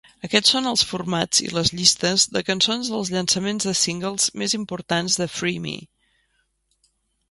Aquests són els formats i les llistes de cançons dels llançaments de singles més importants de "Free Me".